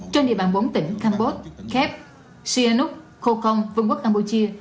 trên địa bàn bốn tỉnh campuchia khép sihanouk cô công vương quốc campuchia